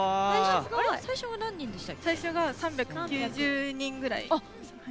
最初が３９０人ぐらいです。